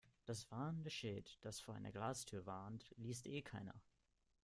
Das warnende Schild, das vor einer Glastür warnt, liest eh keiner.